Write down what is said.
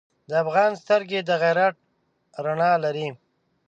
د افغان سترګې د غیرت رڼا لري.